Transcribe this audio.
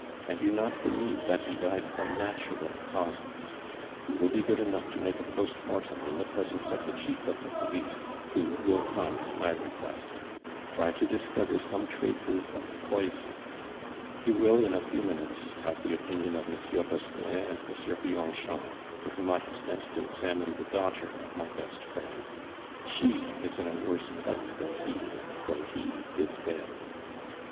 I do not believe that he died from natural causes; you will be good enough to make a post mortem in the presence of the Chief of the Police, who will come at my request. Try to discover some traces of poison. You will, in a few minutes, have the opinion of Monsieur Desplein and Monsieur Bianchon, for whom I have sent to examine the daughter of my best friend; she is in a worse plight than he, though he is dead."